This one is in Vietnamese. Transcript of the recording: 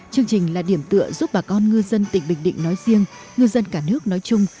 chương trình là điểm tựa giúp bà con ngư dân tỉnh bình định nói riêng ngư dân cả nước nói chung